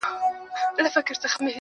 دا څه خبره ده، بس ځان خطا ايستل دي نو.